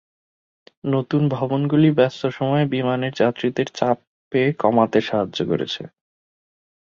নতুন ভবনগুলি ব্যস্ত সময়ে বিমানের যাত্রীদের চাপে কমাতে সাহায্য করেছে।